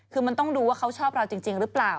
คือมันต้องดูว่าเขาชอบเราจริงหรือเปล่า